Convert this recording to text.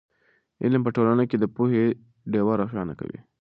علم په ټولنه کې د پوهې ډېوه روښانه کوي.